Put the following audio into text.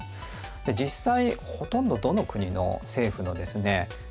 で実際ほとんどどの国の政府のですね